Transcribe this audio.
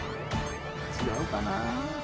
違うかな？